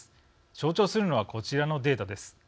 象徴するのはこちらのデータです。